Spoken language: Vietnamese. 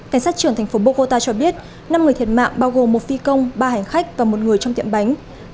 cảnh sát trưởng thành phố bogota cho biết năm người thiệt mạng bao gồm một phi công ba hành khách và một người trong tiệm bánh